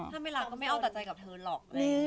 ถ้าไม่รักก็ไม่เอาแต่ใจกับเธอหรอก